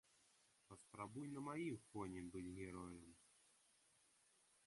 Паспрабуй на маім фоне быць героем!